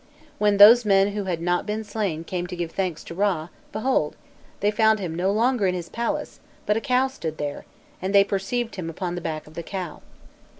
When those men who had not been slain came to give thanks to Râ, behold! they found him no longer in his palace; but a cow stood there, and they perceived him upon the back of the cow."